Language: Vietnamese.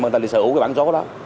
người ta sẽ sở hữu cái bản số đó